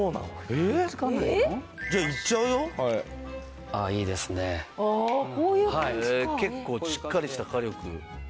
へえ結構しっかりした火力。